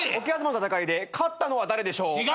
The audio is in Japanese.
桶狭間の戦いで勝ったのは誰でしょう？